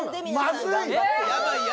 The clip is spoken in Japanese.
まずい！